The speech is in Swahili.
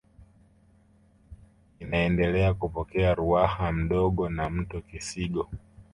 Inaendelea kupokea Ruaha Mdogo na mto Kisigo